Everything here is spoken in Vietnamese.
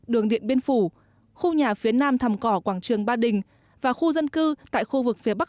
đường điện biên phủ khu nhà phía nam thầm cỏ quảng trường ba đình và khu dân cư tại khu vực phía bắc